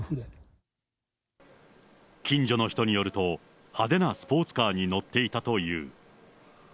近所の人によると、派手なスポーツカーに乗っていたという。